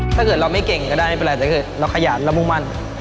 ถ้าเกิดเราไม่เก่งก็ได้ไม่เป็นไรแต่คือเราขยันเรามุ่งมั่น